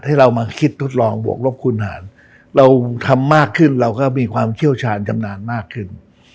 ให้เรามาคิดทดลองบวกลบคูณหารเราทำมากขึ้นเราก็มีความเชี่ยวชาญชำนาญมากขึ้น